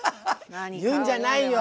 言うんじゃないよ。